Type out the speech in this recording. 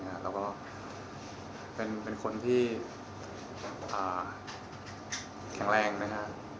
แล้วก็เป็นคนที่แข็งแรงนะฮะ